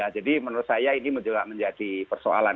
jadi menurut saya ini menjadi persoalan